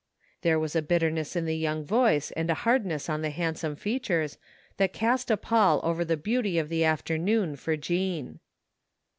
There was a bitterness in the young voice and a hardness on the handsome features that cast a pall over the beauty of the after noon for Jean.